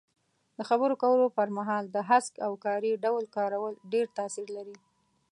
د خبرو کولو پر مهال د هسک او کاري ډول کارول ډېر تاثیر لري.